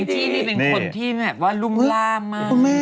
อังจี้นี่เป็นคนที่เนี่ยว่ารุมล้างมาก